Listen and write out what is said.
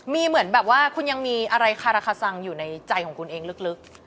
มีเหมือนแบบว่าคุณยังมีอะไรคาราคาซังอยู่ในใจของคุณเองลึก